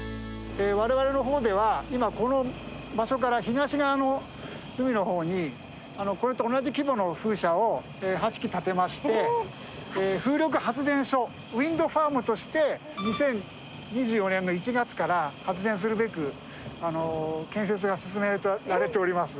我々の方では今この場所から東側の海の方にこれと同じ規模の風車を８基建てまして風力発電所ウインドファームとして２０２４年の１月から発電するべく建設が進められております。